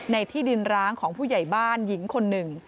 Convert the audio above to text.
ที่ดินร้างของผู้ใหญ่บ้านหญิงคนหนึ่ง